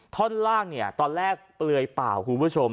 ท่อนล่างเนี่ยตอนแรกเปลือยเปล่าคุณผู้ชม